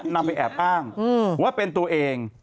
นำไปแอบอ้างว่าเป็นตัวเอง